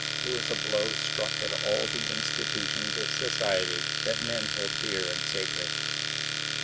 It was a blow struck at all the Institutions of society that men hold dear and sacred.